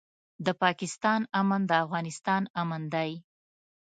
د پاکستان امن د افغانستان امن دی.